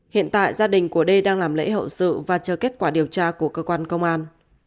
hiện tại gia đình của đê đang làm lễ hậu sự và chờ kết quả điều tra của cơ quan công an